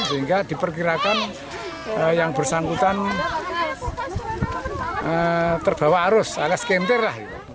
sehingga diperkirakan yang bersangkutan terbawa arus alas kentir